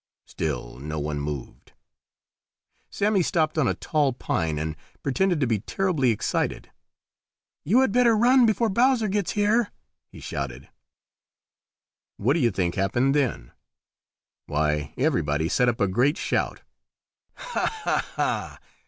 Still no one moved. Sammy stopped on a tall pine and pretended to be terribly excited. "You had better run before Bowser gets here," he shouted. What do you think happened then? Why, everybody set up a great shout. "Ha! ha! ha!"